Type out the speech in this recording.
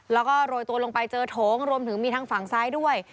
แล้วก็โรยตัวลงไปเจอโถงรวมถึงมีทางฝั่งซ้ายด้วย